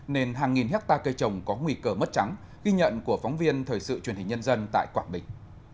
nên hàng nghìn hectare cây trồng có nguy cơ mất trắng ghi nhận của phóng viên thời sự truyền hình nhân dân tại quảng bình